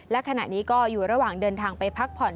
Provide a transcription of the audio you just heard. และขณะนี้ก็อยู่ระหว่างเดินทางไปพักผ่อน